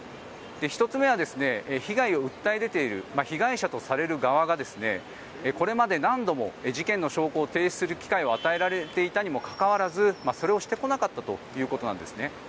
１つ目は被害を訴え出ている被害者とされる側がこれまで何度も事件の証拠を提出する機会を与えられていたにもかかわらずそれをしてこなかったということなんです。